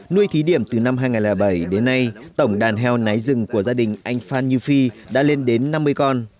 nuôi thí điểm từ năm hai nghìn bảy đến nay tổng đàn heo nái rừng của gia đình anh phan như phi đã lên đến năm mươi con